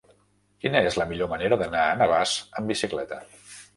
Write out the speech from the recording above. Quina és la millor manera d'anar a Navàs amb bicicleta?